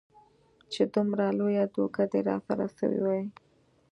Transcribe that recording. چې دومره لويه دوکه دې راسره سوې وي.